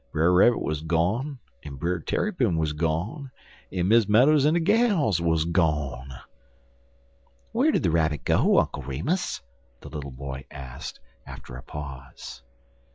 Brer Rabbit wuz gone, en Brer Tarrypin wuz gone, en Miss Meadows en de gals wuz gone. "Where did the Rabbit go, Uncle Remus?" the little boy asked, after a pause.